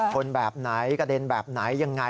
แบบไหนกระเด็นแบบไหนยังไง